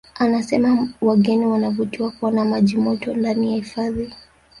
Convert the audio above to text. Anasema wageni wanavutiwa kuona maji moto ndani ya hifadhi